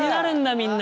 みんな。